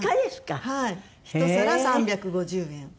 １皿３５０円。